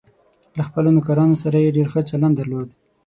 له خپلو نوکرانو سره یې ډېر ښه چلند درلود.